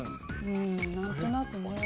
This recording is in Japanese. うんなんとなくね。